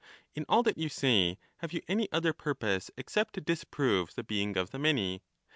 In all that you say have you any Par other purpose except to disprove the being of the many